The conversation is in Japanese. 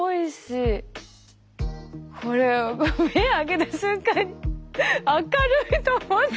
これ目開けた瞬間明るいと思って。